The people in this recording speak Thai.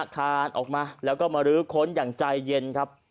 คานออกมาแล้วก็มารื้อค้นอย่างใจเย็นครับ